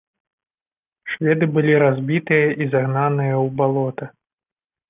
Шведы былі разбітыя і загнаныя ў балота.